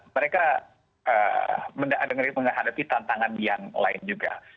mereka menghadapi tantangan yang lain juga